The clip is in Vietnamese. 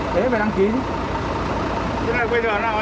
tuyến này quay đường nào anh